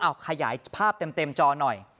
เอาขยายภาพเต็มจอหน่อย